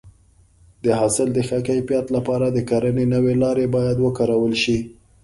د حاصل د ښه کیفیت لپاره د کرنې نوې لارې باید وکارول شي.